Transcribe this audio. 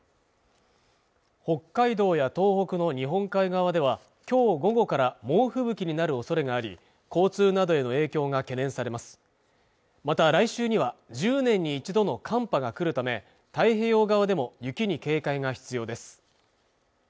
北海道や東北の日本海側ではきょう午後から猛吹雪になるおそれがあり交通などへの影響が懸念されますまた来週には１０年に１度の寒波が来るため太平洋側でも雪に警戒が必要です